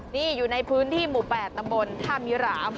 นี่อยู่ในพื้นที่หมู่แปดตะบนท่ามีราว